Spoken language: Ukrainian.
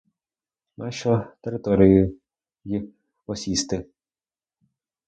Нащо територію й осісти?